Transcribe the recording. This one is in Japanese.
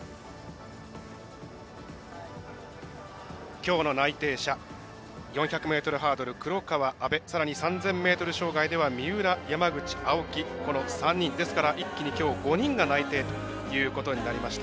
きょうの内定者４００ｍハードル、黒川、安部さらに３０００ｍ障害では三浦、山口、青木３人、ですからきょう５人が内定ということになりました。